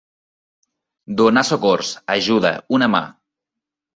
Donar socors, ajuda, una mà.